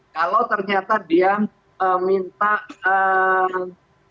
kalau ternyata dia minta aspek ekonomi